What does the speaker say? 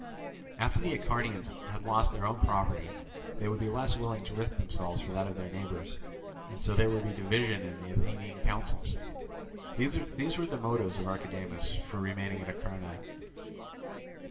After the Acharnians had lost their own property they would be less willing to risk themselves for that of their neighbours; and so there would be division in the Athenian counsels. These were the motives of Archidamus for remaining at Acharnae.